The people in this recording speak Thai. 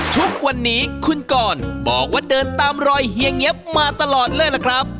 ทุกวันนี้คุณกรบอกว่าเดินตามรอยเฮียเงี๊ยบมาตลอดเลยล่ะครับ